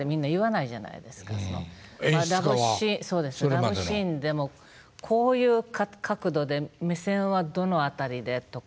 ラブシーンでもこういう角度で目線はどの辺りでとか。